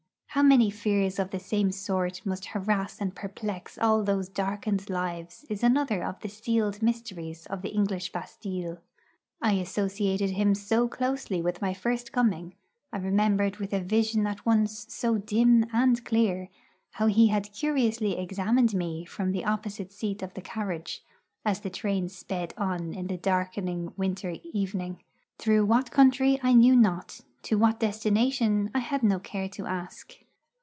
How many fears of the same sort must harass and perplex all those darkened lives is another of the sealed mysteries of the English Bastilles. I associated him so closely with my first coming; I remembered with a vision at once so dim and clear how he had curiously examined me from the opposite seat of the carriage as the train sped on in the darkening winter evening, through what country I knew not, to what destination I had no care to ask.